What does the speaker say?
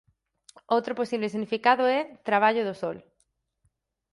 Outro posible significado é «Traballo do Sol».